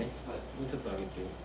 もうちょっと上げて。